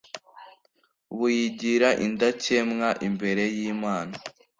buyigira indakemwa imbere y'imana